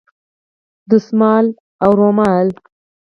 دستمال او رومال